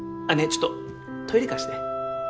ちょっとトイレ貸して。